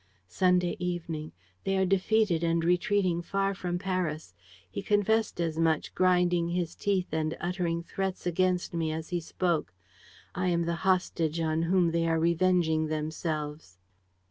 "Sunday evening. "They are defeated and retreating far from Paris. He confessed as much, grinding his teeth and uttering threats against me as he spoke. I am the hostage on whom they are revenging themselves.